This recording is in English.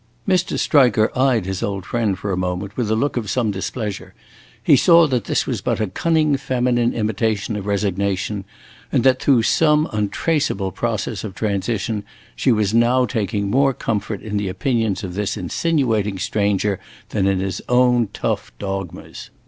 Mr. Striker eyed his old friend for a moment with a look of some displeasure; he saw that this was but a cunning feminine imitation of resignation, and that, through some untraceable process of transition, she was now taking more comfort in the opinions of this insinuating stranger than in his own tough dogmas.